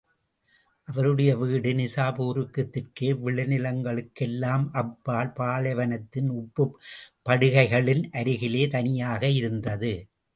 அவருடைய வீடு நிஜாப்பூருக்குத் தெற்கே, விளைநிலங்களுக்கெல்லாம் அப்பால், பாலைவனத்தின் உப்புப் படுகைகளின் அருகிலே தனியாக இருந்தது.